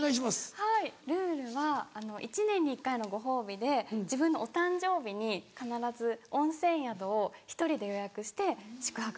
はいルールは一年に１回のご褒美で自分のお誕生日に必ず温泉宿を１人で予約して宿泊してます。